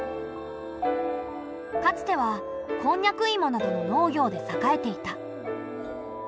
かつてはコンニャクイモなどの農業で栄えていた。